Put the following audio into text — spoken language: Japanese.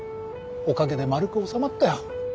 おかげで丸く収まったよ。